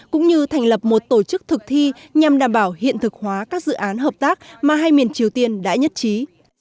cũng như thành lập một tổ chức thực thi nhằm đảm bảo hiện thực hóa các dự án hợp tác mà hai miền triều tiên đã nhất trí